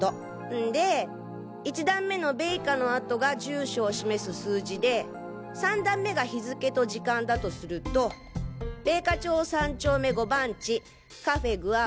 んで１段目の「ＢＥＩＫＡ」の後が住所を示す数字で３段目が日付と時間だとすると米花町３丁目５番地カフェグアバ